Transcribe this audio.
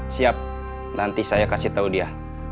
siap nanti saya kasih tahu dia